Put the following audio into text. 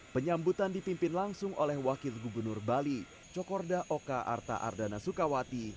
penyambutan dipimpin langsung oleh wakil gubernur bali cokorda oka arta ardana sukawati